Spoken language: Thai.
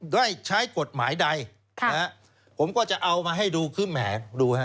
ด้วยใช้กฎหมายใดผมจะเอามาให้ดูขึ้นแหมด